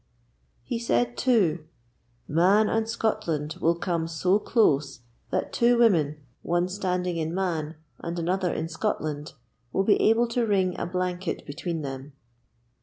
He said, too: 'Mann and Scotland will come so close that two women, one standing in Mann and another in Scotland, will be able to wring a blanket between them.'